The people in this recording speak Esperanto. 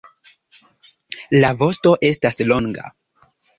La vosto estas longa.